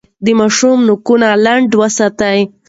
د ماشوم نوکان لنډ وساتئ.